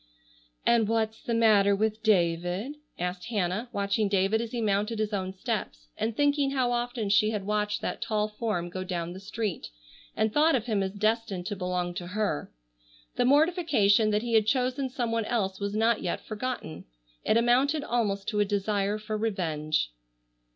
"And what's the matter with David?" asked Hannah, watching David as he mounted his own steps, and thinking how often she had watched that tall form go down the street, and thought of him as destined to belong to her. The mortification that he had chosen some one else was not yet forgotten. It amounted almost to a desire for revenge.